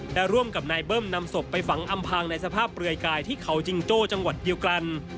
และร่วมกับนายเบิ้มนำศพไปฝังอำพางในสภาพเปลือยกายที่เขาจิงโจ้จังหวัดเดียวกัน